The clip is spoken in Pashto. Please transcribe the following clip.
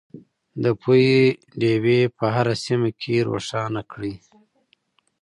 د پوهې ډیوې په هره سیمه کې روښانه کړئ.